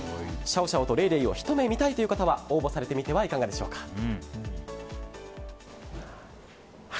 シャオシャオとレイレイをひと目見たいという方は応募されてみてはいかがでしょうか。